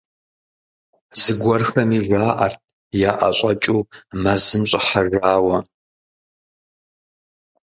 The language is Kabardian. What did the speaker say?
Зыгуэрхэми жаӏэрт яӏэщӏэкӏыу мэзым щӏыхьэжауэ.